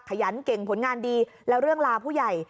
ขยันเก่งผลงานดีแล้วเรื่องลาผู้ใหญ่